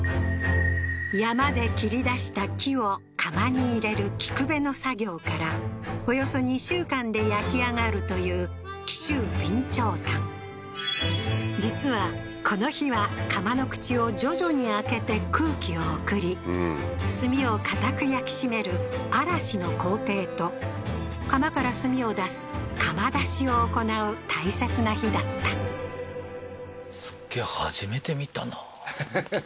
山で切り出した木を窯に入れる「木焚べ」の作業からおよそ２週間で焼き上がるという紀州備長炭実はこの日は窯の口を徐々に開けて空気を送り炭を硬く焼き締める「あらし」の工程と窯から炭を出す「窯出し」を行う大切な日だったははははっ